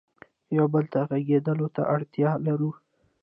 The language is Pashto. یو بل ته غږېدلو ته اړتیا لرو.